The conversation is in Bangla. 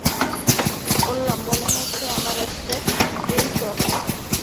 বললাম, মনে হচ্ছে আমার একটা ড্রিংক দরকার।